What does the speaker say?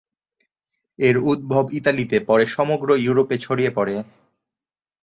এর উদ্ভব ইতালিতে, পরে সমগ্র ইউরোপে ছড়িয়ে পড়ে।